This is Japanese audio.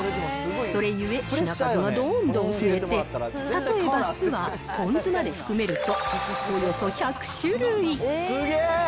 それゆえ品数はどんどん増えて、例えば酢はぽん酢まで含めると、およそ１００種類。